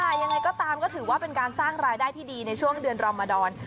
แต่ยังไงก็ตามก็ถือว่าเป็นการสร้างรายได้ที่ดีในช่วงเดือนรอมดร